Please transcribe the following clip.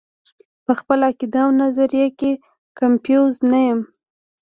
پۀ خپله عقيده او نظريه کښې کنفيوز نۀ يم -